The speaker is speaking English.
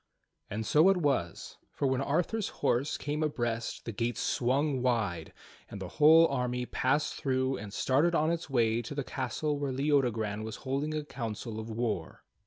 And so it was, for when Arthur's horse came abreast the gates swung wide, and the whole army passed through and started on its way to the castle where Leodogran was holding a council of war.